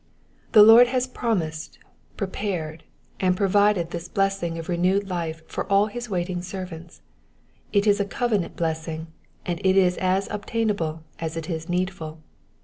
The Lord has promised, prepared, and provided this blessing of renewed life for all his waiting servants : it is a covenant blessing, and it is as obtainable as it is needful.